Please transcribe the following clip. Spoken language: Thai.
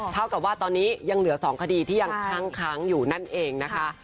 เท่ากับว่าตอนนี้ยังเหลือ๒คดีที่ยังค้างอยู่นั่นเองนะคะ